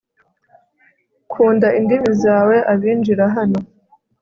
Kunda indimi zawe abinjira hano